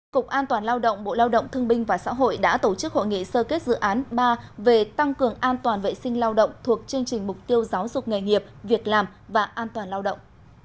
cục an toàn lao động bộ lao động thương binh và xã hội đã tổ chức hội nghị sơ kết dự án ba về tăng cường an toàn vệ sinh lao động thuộc chương trình mục tiêu giáo dục nghề nghiệp việc làm và an toàn lao động